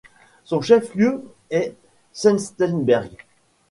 Son chef lieu est Senftenberg.